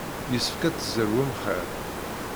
Yessefk ad tzerwem xir.